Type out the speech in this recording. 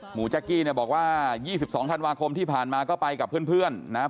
แจ๊กกี้เนี่ยบอกว่า๒๒ธันวาคมที่ผ่านมาก็ไปกับเพื่อนนะครับ